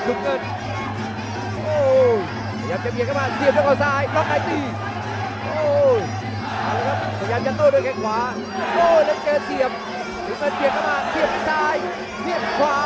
ส่วนอาทีมีแม้ตัดมาเสียบซ้ายเสียบขวาเสียบซ้าย